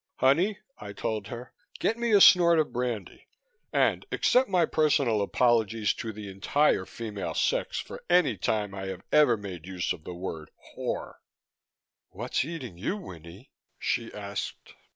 "Honey," I told her, "get me a snort of brandy and accept my personal apologies to the entire female sex for any time I have ever made use of the word 'whore'." "What's eating you, Winnie?" she asked.